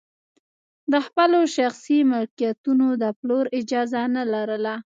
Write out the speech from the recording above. د خپلو شخصي ملکیتونو د پلور اجازه نه لرله.